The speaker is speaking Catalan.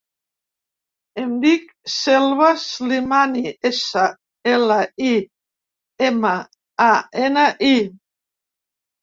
Em dic Selva Slimani: essa, ela, i, ema, a, ena, i.